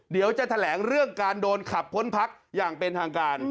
เดี๋ยวจะแถลงเรื่องการโดนขับพ้นพักอย่างเป็นทางการ